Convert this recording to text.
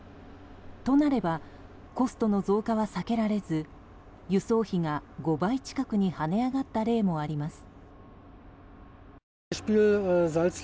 となればコストの増加は避けられず輸送費が５倍近くに跳ね上がった例もあります。